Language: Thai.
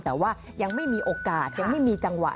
แต่ว่ายังไม่มีโอกาสยังไม่มีจังหวะ